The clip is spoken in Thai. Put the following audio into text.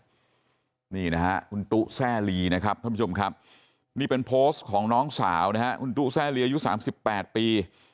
นี่นะฮะคุณตุ๊แซ่ลีนะครับท่านผู้ชมครับนี่เป็นโพสต์ของน้องสาวนะฮะคุณตุ๊แซ่ลีอายุ๓๘ปี